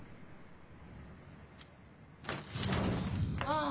ああ。